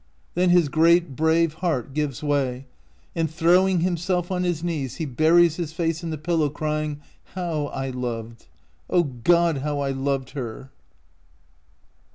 Then his 233 OUT OF BOHEMIA great, brave heart gives way, and, throwing himself on his knees, he buries his face in the pillow, crying, "How I loved! O God, how I loved her!"